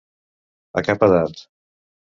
A cap edat.